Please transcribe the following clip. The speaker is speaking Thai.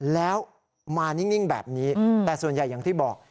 แล้วมานิ่งแบบนี้แต่ส่วนใหญ่อย่างที่บอก